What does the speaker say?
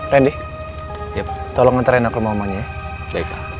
randy tolong nganterin aku ke rumah omangnya ya